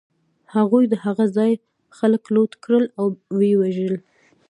هغوی د هغه ځای خلک لوټ کړل او و یې وژل